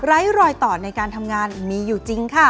รอยต่อในการทำงานมีอยู่จริงค่ะ